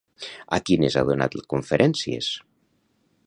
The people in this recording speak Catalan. A quines ha donat conferències?